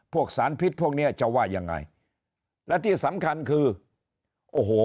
พวกสารพิษพวกเนี้ยจะว่ายังไงและที่สำคัญคือโอ้โห